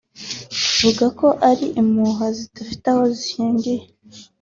yavuze ko ari impuha zidafite aho zishingiye